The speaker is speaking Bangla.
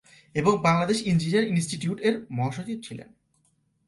এবং বাংলাদেশ ইঞ্জিনিয়ার ইনস্টিটিউট এর মহাসচিব ছিলেন।